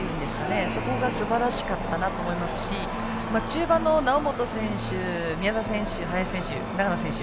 そこがすばらしかったなと思いますし中盤の猶本選手、宮澤選手林選手、長野選手。